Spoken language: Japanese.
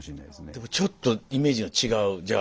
でもちょっとイメージが違うじゃあ。